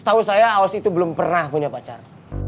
tahu saya aus itu belum pernah punya pacar